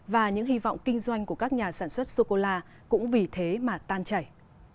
và những hy vọng kinh doanh của các nhà sản xuất sô cô la cũng vì thế mà tan chảy